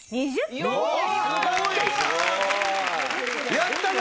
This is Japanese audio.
やったぞ！